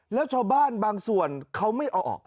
แล้วชาวบ้านบางส่วนเขาไม่เอาออก